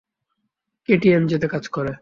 কেটিএমজেতে কাজ করে।